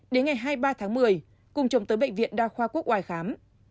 đến ngày hai mươi ba tháng một mươi cùng chồng tới bệnh viện đa khoa quốc oai khám